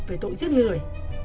về tội giết người